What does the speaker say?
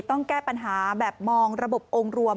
ต้องแก้ปัญหาแบบมองระบบองค์รวม